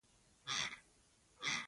ټول عمر یې پر نورو پلونو ړوند مزل کړی.